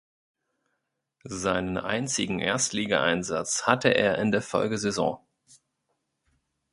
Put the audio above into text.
Seinen einzigen Erstligaeinsatz hatte er in der Folgesaison.